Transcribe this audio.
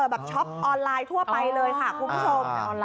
ช็อปออนไลน์ทั่วไปเลยค่ะคุณผู้ชม